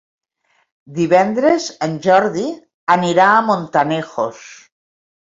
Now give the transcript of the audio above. Divendres en Jordi anirà a Montanejos.